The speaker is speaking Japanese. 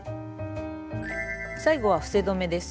最後は伏せ止めです。